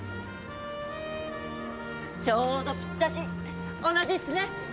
ちょうどピッタシ同じっすね。